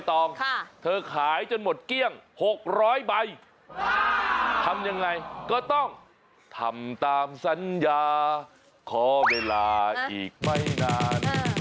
ทำอย่างไรก็ต้องทำตามสัญญาขอเวลาอีกไม่นาน